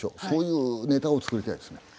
そういうネタを作りたいですね。